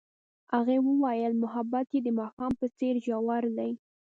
هغې وویل محبت یې د ماښام په څېر ژور دی.